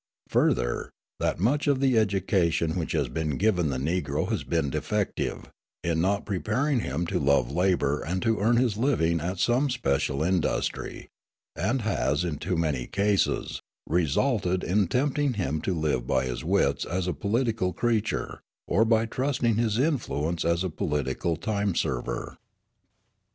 Further, that much of the education which has been given the Negro has been defective, in not preparing him to love labour and to earn his living at some special industry, and has, in too many cases, resulted in tempting him to live by his wits as a political creature or by trusting to his "influence" as a political time server.